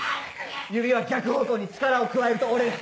指は逆方向に力を加えると折れる！